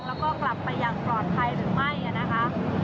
แล้วก็กลับไปอย่างปลอดภัยหรือไม่นะคะ